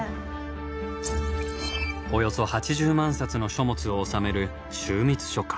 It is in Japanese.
およそ８０万冊の書物を収める「集密書架」。